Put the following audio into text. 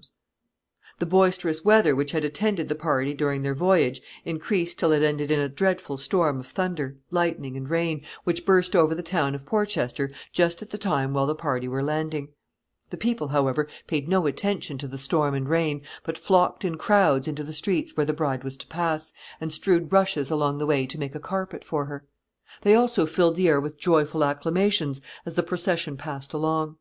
[Sidenote: Margaret's reception.] The boisterous weather which had attended the party during their voyage increased till it ended in a dreadful storm of thunder, lightning, and rain, which burst over the town of Porchester just at the time while the party were landing. The people, however, paid no attention to the storm and rain, but flocked in crowds into the streets where the bride was to pass, and strewed rushes along the way to make a carpet for her. They also filled the air with joyful acclamations as the procession passed along.